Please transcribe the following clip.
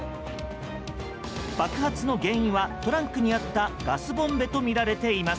爆発の原因は、トランクにあったガスボンベとみられています。